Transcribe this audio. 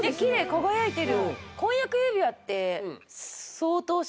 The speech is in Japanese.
輝いてる。